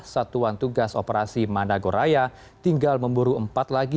satuan tugas operasi madagoraya tinggal memburu empat lagi